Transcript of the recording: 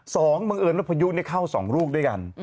บังเอิญว่าพายุเข้าสองลูกด้วยกัน